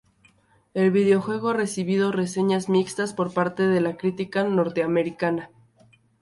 El videojuego ha recibido reseñas mixtas por parte de la crítica norteamericana.